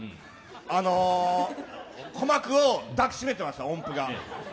あの鼓膜を抱きしめてました、音符が。